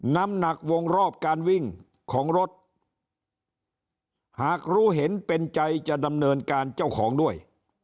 น้ำหนักวงรอบการวิ่งของรถหากรู้เห็นเป็นใจจะดำเนินการเจ้าของด้วย